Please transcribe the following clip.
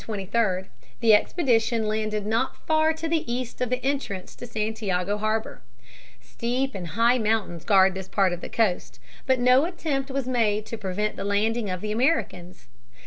The Santiago Expedition. On June 22 and 23 the expedition landed not far to the east of the entrance to Santiago harbor. Steep and high mountains guard this part of the coast. But no attempt was made to prevent the landing of the Americans.